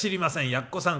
やっこさん